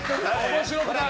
面白くない！